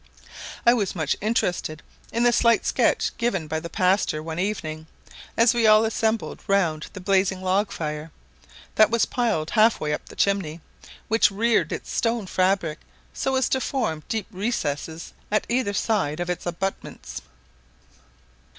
I was much interested in the slight sketch given by the pastor one evening, as we all assembled round the blazing log fire, that was piled half way up the chimney, which reared its stone fabric so as to form deep recesses at either side of its abutments.